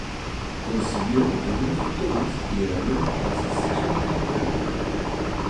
Consiguió algunas victorias que le valieron para ser sexto en el campeonato.